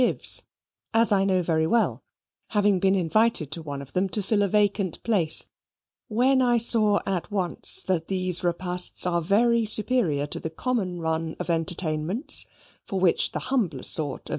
gives, as I know very well, having been invited to one of them to fill a vacant place, when I saw at once that these repasts are very superior to the common run of entertainments for which the humbler sort of J.'